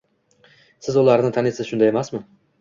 Siz ularni taniysiz, shunday emasmi?